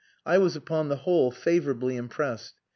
I was upon the whole favourably impressed.